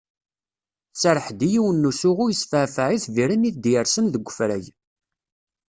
Tserreḥ-d i yiwen n usuɣu yesfeɛfeɛ itbiren i d-yersen deg ufrag.